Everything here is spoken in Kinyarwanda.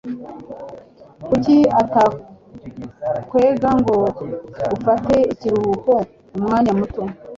Kuki utakwega ngo ufate ikiruhuko umwanya muto?